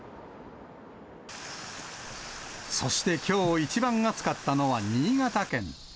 そしてきょう一番暑かったのは新潟県。